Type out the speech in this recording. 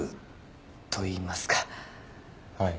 はい。